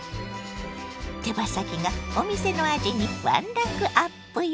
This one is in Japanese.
手羽先がお店の味にワンランクアップよ！